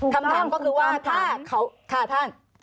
คำถามก็คือว่าถ้าเขาฆ่าท่าน